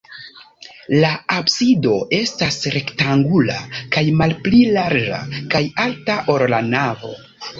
La absido estas rektangula kaj malpli larĝa kaj alta, ol la navo.